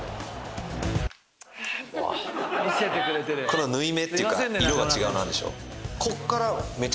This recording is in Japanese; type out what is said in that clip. この縫い目っていうか色が違うのあんでしょ。